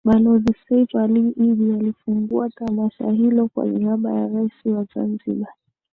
Balozi Seif Ali Iddi alifungua tamasha hilo kwa niaba ya Rais wa Zanzibar